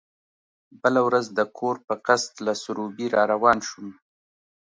بله ورځ د کور په قصد له سروبي را روان شوم.